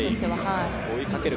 追いかける